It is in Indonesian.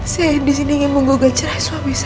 saya disini ingin menggugat cerai suami saya